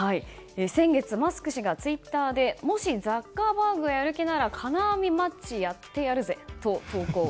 先月マスク氏がツイッターでもしザッカーバーグがやる気なら金網マッチやってやるぜと投稿。